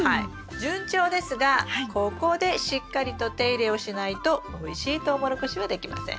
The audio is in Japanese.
順調ですがここでしっかりと手入れをしないとおいしいトウモロコシはできません。